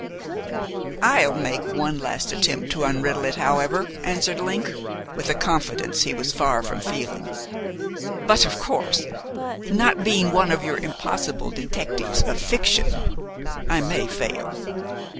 "I'll make one last attempt to unriddle it, however," answered Link, with a confidence he was far from feeling, "but, of course not being one of your impossible detectives of fiction I may fail."